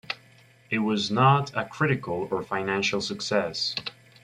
It was not a critical or financial success.